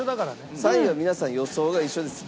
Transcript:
３位は皆さん予想が一緒です。